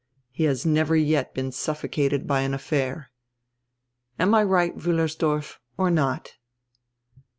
He has never yet been suffocated by an affair.' Am I right, Wiil lersdorf, or not?"